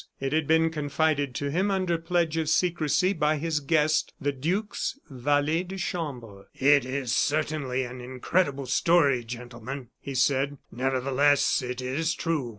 It had been confided to him under pledge of secrecy by his guest, the duke's valet de chambre. "It is certainly an incredible story, gentlemen," he said; "nevertheless, it is true.